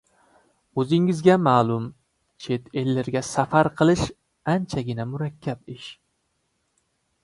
— O‘zingizga ma’lum, chet ellarga safar qilish anchagina murakkab ish.